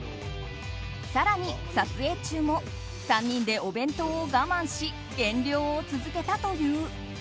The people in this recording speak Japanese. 更に撮影中も３人でお弁当を我慢し減量を続けたという。